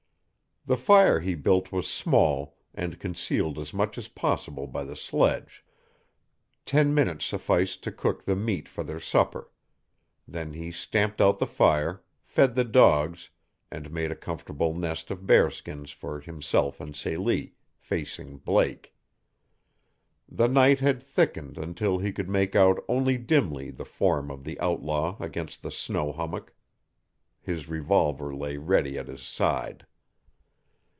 The fire he built was small, and concealed as much as possible by the sledge. Ten minutes sufficed to cook the meat for their supper. Then he stamped out the fire, fed the dogs, and made a comfortable nest of bear skins for himself and Celie, facing Blake. The night had thickened until he could make out only dimly the form of the outlaw against the snow hummock. His revolver lay ready at his side.